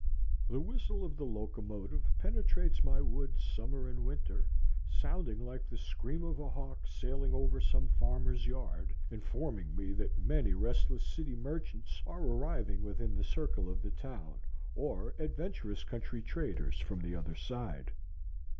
The whistle of the locomotive penetrates my woods summer and winter, sounding like the scream of a hawk sailing over some farmer's yard, informing me that many restless city merchants are arriving within the circle of the town, or adventurous country traders from the other side.